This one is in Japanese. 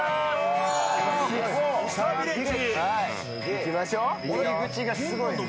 行きましょう。